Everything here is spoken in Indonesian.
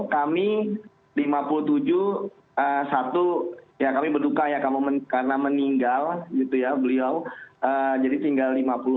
kami lima puluh tujuh satu ya kami berduka ya karena meninggal gitu ya beliau jadi tinggal lima puluh enam